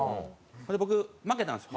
それで僕負けたんですよ。